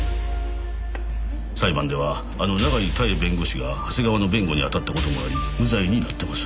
裁判ではあの永井多恵弁護士が長谷川の弁護にあたった事もあり無罪になっています。